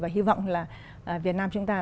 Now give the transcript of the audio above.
và hy vọng là việt nam chúng ta